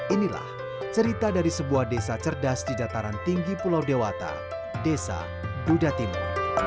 inilah cerita dari sebuah desa cerdas di jataran tinggi pulau dewata desa buda timur